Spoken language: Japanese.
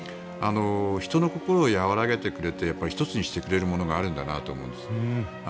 人の心を和らげてくれて一つにしてくれるものがあるんだなと思うんです。